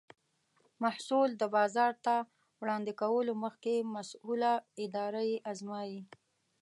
محصول د بازار ته وړاندې کولو مخکې مسؤله اداره یې ازمایي.